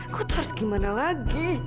kau tuh harus gimana lagi